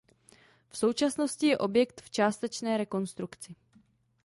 V současnosti je objekt v částečné rekonstrukci.